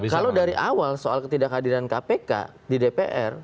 kalau dari awal soal ketidakhadiran kpk di dpr